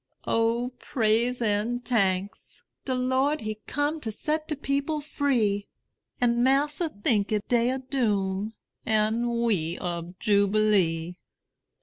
O praise and tanks! De Lord he come To set de people free; An' massa tink it day ob doom, An' we ob jubilee.